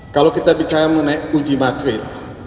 kalau kita bicara mengenai uji materi